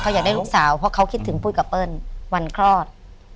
เขาอยากได้ลูกสาวเพราะเขาคิดถึงปุ้ยกับเปิ้ลวันคลอด